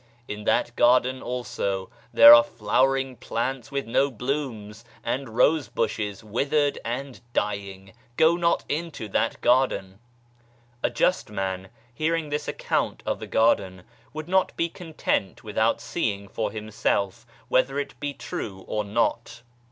In that garden, also, there are flowering plants with no blooms, and rose bushes withered and dying Go not into that garden !" A just man, hearing this account of the garden, would not be content without seeing for himself whether it be true of not.